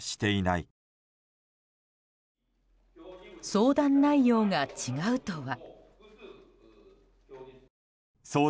相談内容が違うとは。